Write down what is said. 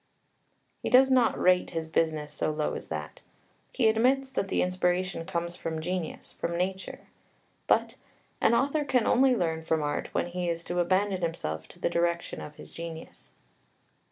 He does not rate his business so low as that. He admits that the inspiration comes from genius, from nature. But "an author can only learn from art when he is to abandon himself to the direction of his genius."